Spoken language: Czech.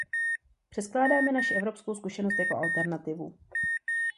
Předkládáme naši evropskou zkušenost jako alternativu.